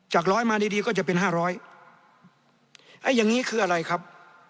ร้อยมาดีดีก็จะเป็นห้าร้อยไอ้อย่างนี้คืออะไรครับ